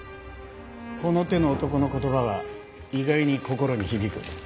この手の男の言葉は意外に心に響く。